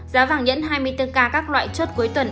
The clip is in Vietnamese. giá vàng nhẫn hai mươi bốn k các loại chốt cuối tuần